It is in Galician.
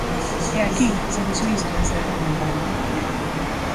E aquí se dixo isto en sede parlamentaria.